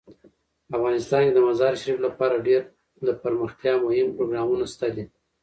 افغانستان کې د مزارشریف لپاره ډیر دپرمختیا مهم پروګرامونه شته دي.